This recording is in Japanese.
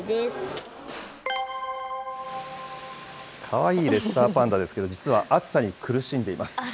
かわいいレッサーパンダですけど、実は暑さに苦しんでいます。